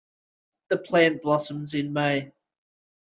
The plant blossoms in May.